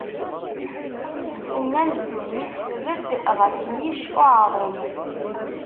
Nnan ddunit tbedd ɣef yicc uɛerrum.